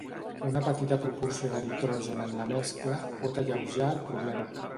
Una petita proporció de nitrogen en la mescla pot alleujar el problema.